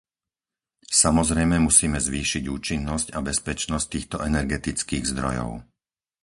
Samozrejme musíme zvýšiť účinnosť a bezpečnosť týchto energetických zdrojov.